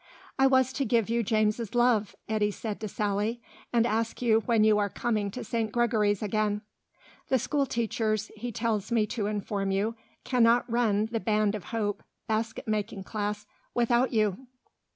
"I was to give you James' love," Eddy said to Sally, "and ask you when you are coming to St. Gregory's again. The school teachers, he tells me to inform you, cannot run the Band of Hope basket making class without you."